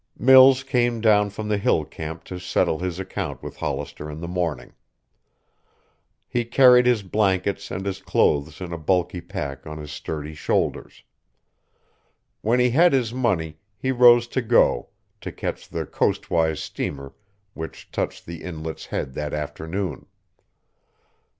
Mills came down from the hill camp to settle his account with Hollister in the morning. He carried his blankets and his clothes in a bulky pack on his sturdy shoulders. When he had his money, he rose to go, to catch the coastwise steamer which touched the Inlet's head that afternoon.